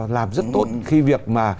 làm rất tốt khi việc mà